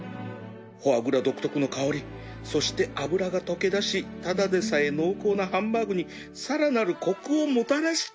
フォアグラ独特の香りそして脂が溶けだしただでさえ濃厚なハンバーグにさらなるコクをもたらしている